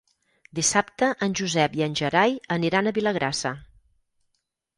Dissabte en Josep i en Gerai aniran a Vilagrassa.